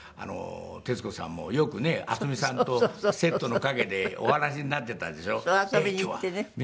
徹子さんもよくね渥美さんとセットの陰でお話しになっていたでしょう？